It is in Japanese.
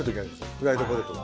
フライドポテトが。